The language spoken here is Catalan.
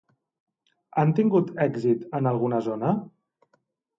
Han tingut èxit en alguna zona?